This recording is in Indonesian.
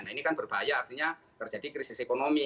nah ini kan berbahaya artinya terjadi krisis ekonomi